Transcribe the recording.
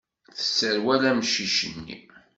Tesserwel amcic-nni.